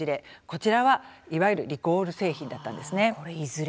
こちらは、いわゆるリコール製品だったんです。